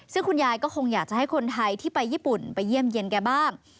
ซึ่งคุณยายก็คงอยากจะให้คนไทยที่ไปญี่ปุ่นไปเยี่ยมเย็นแกบ้าง